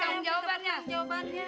kami sudah pengetahuan jawabannya